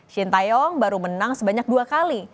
shin taeyong baru menang sebanyak dua kali